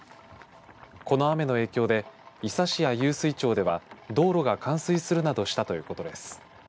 この雨の影響で伊佐市や湧水町では道路が冠水するなどしたということです。